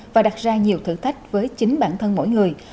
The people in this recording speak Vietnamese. và đặt ra nhiều thử thách với chính bản thân mỗi người